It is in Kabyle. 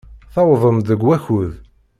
Tewwḍem-d deg wakud.